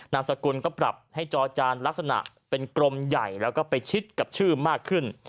นามสกุลก็ปรับให้จอจานลักษณะเป็นกรมใหญ่แล้วก็ไปชิดกับชื่อมากขึ้น